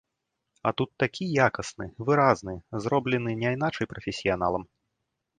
А тут такі якасны, выразны, зроблены няйначай прафесіяналам.